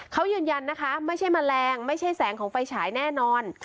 เขายืนยันนะคะไม่ใช่แมลงไม่ใช่แสงของไฟฉายแน่นอน